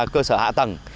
cơ sở hạ tầng